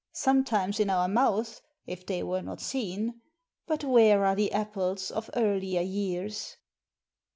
(Sometimes in our mouths, if they were not seen) But where are the apples of earlier years?